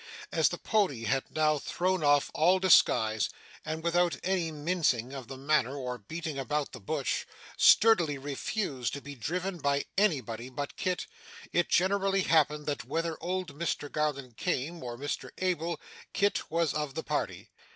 As the pony had now thrown off all disguise, and without any mincing of the matter or beating about the bush, sturdily refused to be driven by anybody but Kit, it generally happened that whether old Mr Garland came, or Mr Abel, Kit was of the party.